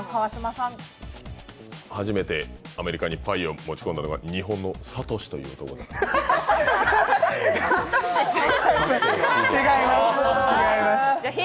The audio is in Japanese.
初めてアメリカにパイを持ち込んだのが日本のサトシという人。